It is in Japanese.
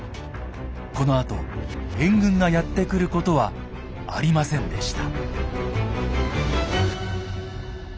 このあと援軍がやって来ることはありませんでした。